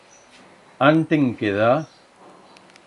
Án te'n queda?